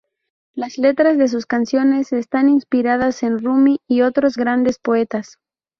Las letras de sus canciones están inspiradas en Rumi y otros grandes poetas.